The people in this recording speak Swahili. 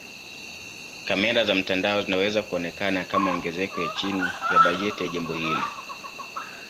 Kamera za mtandao zinaweza kuonekana kama ongezeko ya chini ya bajeti ya jambo hili.